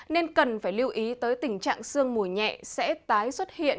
nên cần phải lưu ý tới tình trạng sương mù nhẹ sẽ tái xuất hiện